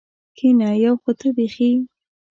کېنه یو خو ته بېخي.